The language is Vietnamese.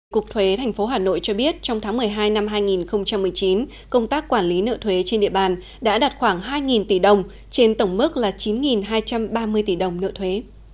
cục thuế tp hà nội cho biết trong tháng một mươi hai năm hai nghìn một mươi chín công tác quản lý nợ thuế trên địa bàn đã đạt khoảng hai tỷ đồng trên tổng mức là chín hai trăm ba mươi tỷ đồng nợ thuế